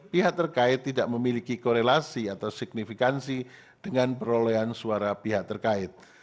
pihak terkait tidak memiliki korelasi atau signifikansi dengan perolehan suara pihak terkait